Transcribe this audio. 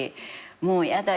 もうやだ。